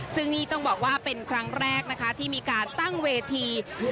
ซึ่งนี่ต้องบอกว่าเป็นครั้งแรกนะคะที่มีการตั้งเวที